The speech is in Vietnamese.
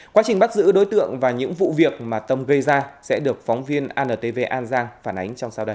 quá trình bắt giữ đối tượng và những vụ việc mà tâm gây ra sẽ được phóng viên antv an giang phản ánh trong sau đây